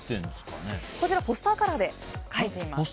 こちら、ポスターカラーで描いています。